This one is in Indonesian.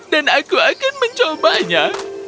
dan aku akan mencobanya